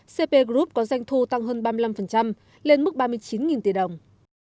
cp group có doanh thu tăng hơn ba mươi năm lên mức ba mươi chín tỷ đồng